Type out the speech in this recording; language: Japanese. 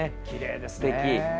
すてき。